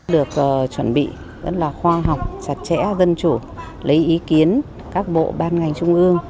được chuẩn bị rất là khoa học chặt chẽ dân chủ lấy ý kiến các bộ ban ngành trung ương